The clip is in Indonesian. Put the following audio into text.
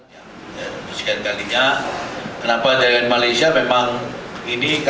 jadi ini lewat darat dia masuknya ke wilayah kita seolah olah dia membawa